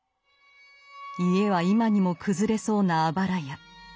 家は今にも崩れそうなあばら家。